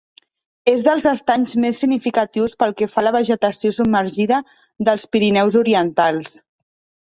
És dels estanys més significatius pel que fa a vegetació submergida dels Pirineus Orientals.